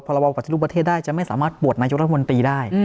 พระวัติธรรมนุษย์ประเทศได้จะไม่สามารถโหวตในยุทธมนตรีได้